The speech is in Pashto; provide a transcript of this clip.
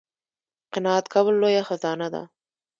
قناعت کول لویه خزانه ده